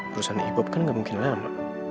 perusahaan e pop kan gak mungkin lama